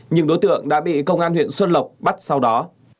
nhưng đối tượng đã bị công an huyện xuân lộc bắt sau đó